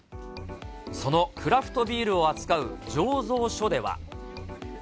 そのクラフトビールを扱う醸造所では。